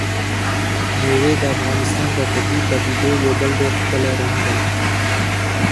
مېوې د افغانستان د طبیعي پدیدو یو بل ډېر ښکلی رنګ دی.